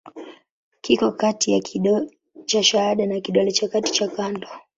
Kiko kati ya kidole cha shahada na kidole cha kati cha kando.